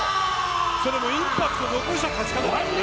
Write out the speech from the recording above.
それもインパクトを残した勝ち方でね。